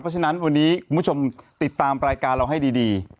เพราะฉะนั้นวันนี้คุณผู้ชมติดตามรายการเราให้ดี